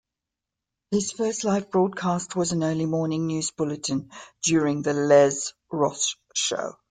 His first live broadcast was an early-morning news bulletin during the Les Ross show.